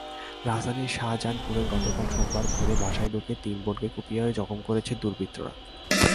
রাজধানীর শাহজাহানপুরে গতকাল সোমবার ভোরে বাসায় ঢুকে তিন বোনকে কুপিয়ে জখম করেছে দুর্বৃত্তরা।